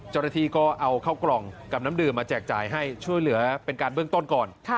เจ้าหน้าที่ก็เอาเข้ากล่องกับน้ำดื่มมาแจกจ่ายให้ช่วยเหลือเป็นการเบื้องต้นก่อน